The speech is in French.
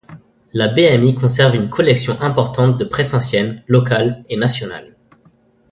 La bmi conserve une collection importante de presse ancienne, locale et nationale.